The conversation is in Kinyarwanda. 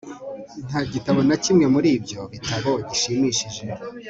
Nta gitabo na kimwe muri ibyo bitabo gishimishije